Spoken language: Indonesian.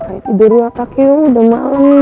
kayak tidur kakio udah malu nih